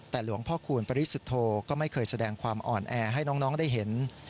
แต่หลวงพ่อคูณปริสุทธโธก็ไม่เคยแสดงความอ่อนแอให้น้องได้เห็น